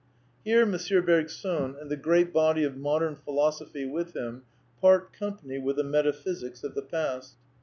(Page 258.) Here M. Bergson, and the great body of modem philoso phy with him, part company with the metaphysics of the past.